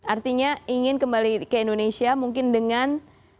artinya ingin kembali ke indonesia mungkin dengan